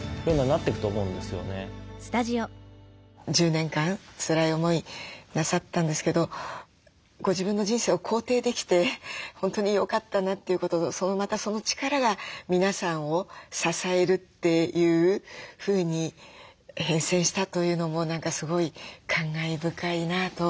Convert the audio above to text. １０年間つらい思いなさったんですけどご自分の人生を肯定できて本当によかったなということとまたその力が皆さんを支えるというふうに変遷したというのも何かすごい感慨深いなと。